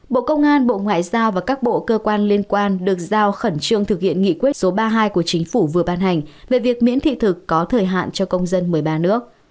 bộ công an bộ ngoại giao và các bộ cơ quan liên quan được giao khẩn trương thực hiện nghị quyết số ba mươi hai của chính phủ vừa ban hành về việc miễn thị thực có thời hạn cho công dân một mươi ba nước